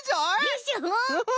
でしょ？